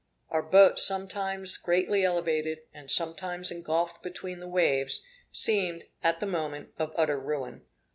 Our boat sometimes greatly elevated, and sometimes engulfed between the waves, seemed, at the moment, of utter ruin.